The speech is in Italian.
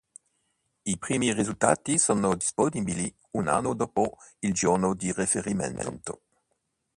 I primi risultati sono disponibili un anno dopo il giorno di riferimento.